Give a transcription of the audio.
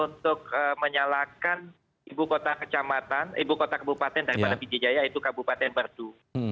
untuk menyalakan ibu kota kebupaten daripada pdijaya yaitu kabupaten merdu